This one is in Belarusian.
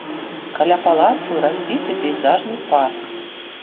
Каля палацу разбіты пейзажны парк.